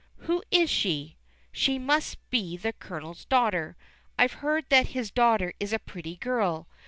Who is she? She must be the Colonel's daughter; I've heard that his daughter is a pretty girl.